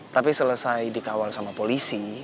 tapi selesai dikawal sama polisi